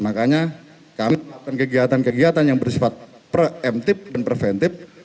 makanya kami melakukan kegiatan kegiatan yang bersifat pre emptive dan preventive